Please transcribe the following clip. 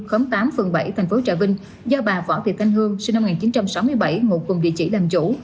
khóm tám phần bảy thành phố trà vinh do bà võ thị thanh hương sinh năm một nghìn chín trăm sáu mươi bảy ngụ cùng vị trí làm chủ